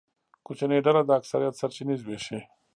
کوچنۍ ډله د اکثریت سرچینې زبېښي.